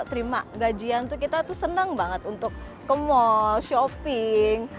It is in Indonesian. terima gajian tuh kita tuh senang banget untuk ke mall shopping